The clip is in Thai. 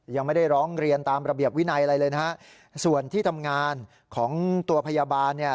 ยังไม่ได้ร้องเรียนตามระเบียบวินัยอะไรเลยนะฮะส่วนที่ทำงานของตัวพยาบาลเนี่ย